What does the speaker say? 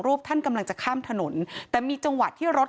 ท่านกำลังจะข้ามถนนแต่มีจังหวะที่รถ